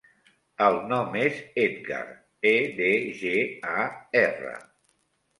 El nom és Edgar: e, de, ge, a, erra.